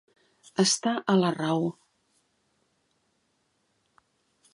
Estar a la raó.